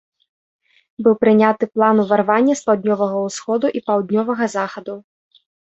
Быў прыняты план ўварвання з паўднёвага ўсходу і паўднёвага захаду.